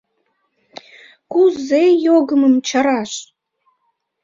Кузе йогымым чараш?